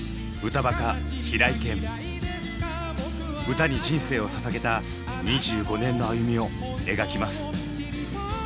歌に人生をささげた２５年の歩みを描きます。